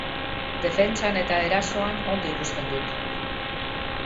Defentsan eta erasoan ondo ikusten dut.